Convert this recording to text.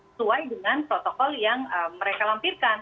sesuai dengan protokol yang mereka lampirkan